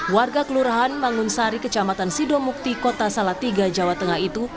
warga kelurahan mangun sari kecamatan sidomukti kota salatiga jawa tengah itu